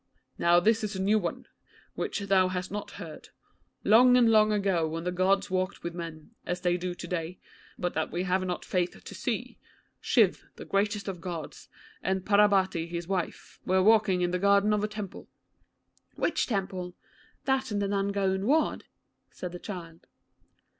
'Now, this is a new one, which thou hast not heard. Long and long ago when the Gods walked with men, as they do to day, but that we have not faith to see, Shiv, the greatest of Gods, and Parbati his wife, were walking in the garden of a temple.' 'Which temple? That in the Nandgaon ward?' said the child.